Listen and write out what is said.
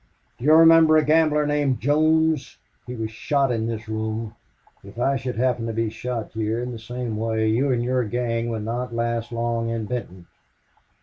"Do you remember a gambler named Jones?... He was shot in this room... If I should happen to be shot here in the same way you and your gang would not last long in Benton!"